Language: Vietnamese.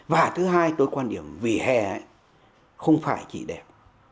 và thứ hai tôi quan điểm vì hè không phải chỉ đẹp